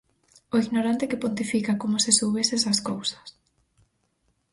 O ignorante que pontifica como se soubese esas cousas.